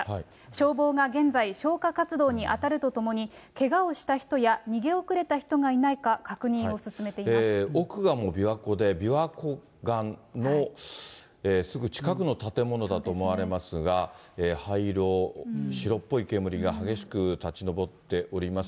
消防が現在、消火活動に当たるとともに、けがをした人や逃げ遅れた人がいない奥がもう琵琶湖で、琵琶湖岸のすぐ近くの建物だと思われますが、灰色、白っぽい煙が激しく立ち上っております。